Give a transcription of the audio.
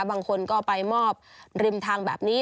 บางคนก็ไปมอบริมทางแบบนี้